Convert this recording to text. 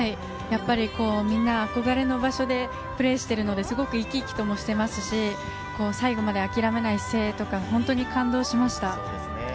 みんな憧れの場所でプレーしているので、すごく生き生きとしていますし、最後まで諦めない姿勢とか本当に感動しました。